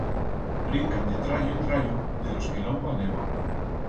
Brincan de trallo en trallo de los que l'agua leva.